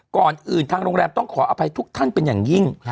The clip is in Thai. ก่อนอื่นทางโรงแรมต้องขออภัยทุกท่านเป็นอย่างยิ่ง